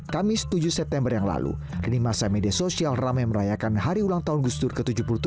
kamis tujuh september yang lalu di masa media sosial ramai merayakan hari ulang tahun gus dur ke tujuh puluh tujuh